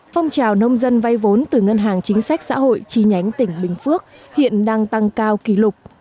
phong trào nông dân vay vốn từ ngân hàng chính sách xã hội chi nhánh tỉnh bình phước hiện đang tăng cao kỷ lục